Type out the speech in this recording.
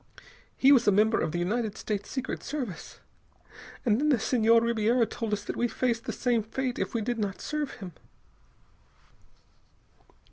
He was a member of the United States Secret Service.... And then the Senhor Ribiera told us that we faced the same fate if we did not serve him...."